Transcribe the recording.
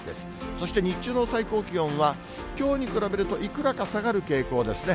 そして日中の最高気温は、きょうに比べるといくらか下がる傾向ですね。